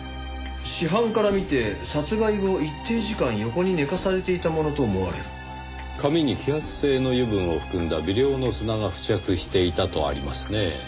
「死斑から見て殺害後一定時間横に寝かされていたものと思われる」「髪に揮発性の油分を含んだ微量の砂が付着していた」とありますねぇ。